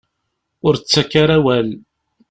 Ur ttak ara awal.